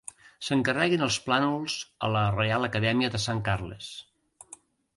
S'encarreguen els plànols a la Reial Acadèmia de Sant Carles.